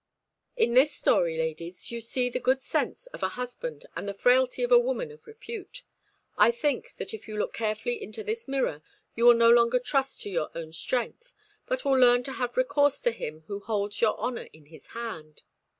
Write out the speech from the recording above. "In this story, ladies, you see the good sense of a husband and the frailty of a woman of repute. I think that if you look carefully into this mirror you will no longer trust to your own strength, but will learn to have recourse to Him who holds your honour in His hand."